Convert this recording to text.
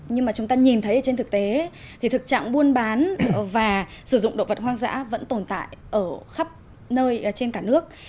nhưng mà chúng ta nhìn thấy trên thực tế thì thực trạng buôn bán và sử dụng động vật hoang dã vẫn tồn tại ở khắp nơi trên cả nước